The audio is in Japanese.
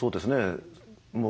もう